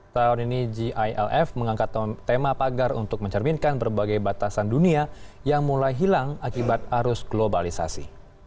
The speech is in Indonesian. tahun ini gilf mengangkat tema pagar untuk mencerminkan berbagai batasan dunia yang mulai hilang akibat arus globalisasi